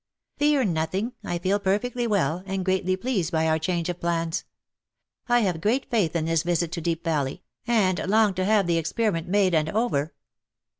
" Fear nothing — I feel perfectly well, and greatly pleased by our change of plans. I have great faith in this visit to Deep Valley, and long to have the experiment made and over."